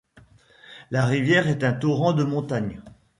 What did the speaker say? La rivière est un torrent de montagne.